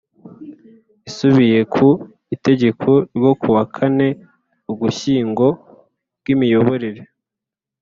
Isubiye ku Itegeko ryo ku wa kane Ugushyingo ryimiyoborere